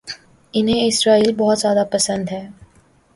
انہیں اسرائیل بہت زیادہ پسند ہے